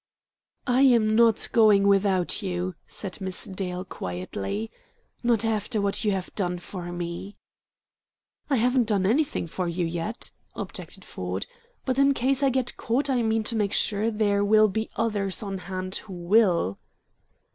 "I am not going without you," said Miss Dale quietly; "not after what you have done for me." "I haven't done anything for you yet," objected Ford. "But in case I get caught I mean to make sure there will be others on hand who will."